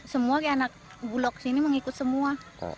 semua anak bulog sini mengikut semua